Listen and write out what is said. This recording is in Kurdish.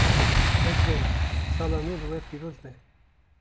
Ezbenî! Sala nû li we pîroz be